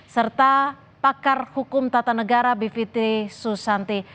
serta pakar hukum tata negara bivitri susanti